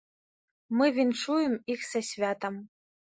Мы віншуем іх са святам.